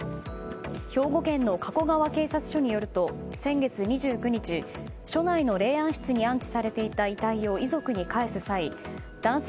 兵庫県の加古川警察署によると先月２９日署内の霊安室に安置されていた遺体を遺族に返す際男性